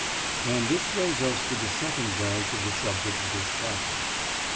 And this brings us to the second branch of the subject of this chapter.